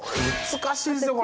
難しいですよこれ。